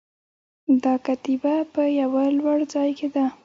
دا کتیبه په یوه لوړ ځای کې ده